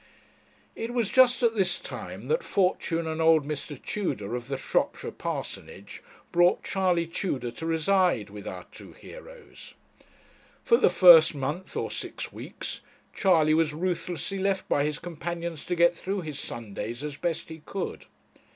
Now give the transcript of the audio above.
It was just at this time that fortune and old Mr. Tudor, of the Shropshire parsonage, brought Charley Tudor to reside with our two heroes. For the first month, or six weeks, Charley was ruthlessly left by his companions to get through his Sundays as best he could.